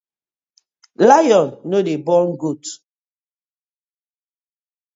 Lion no dey born goat.